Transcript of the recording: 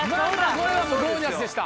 これはゴー☆ジャスでした。